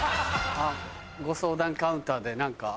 あっご相談カウンターで何か。